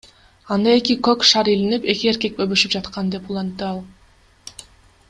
Анда эки көк шар илинип, эки эркек өбүшүп жаткан, — деп улантты ал.